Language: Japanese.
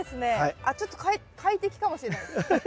あっちょっと快適かもしれない。